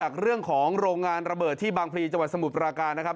เรื่องของโรงงานระเบิดที่บางพลีจังหวัดสมุทรปราการนะครับ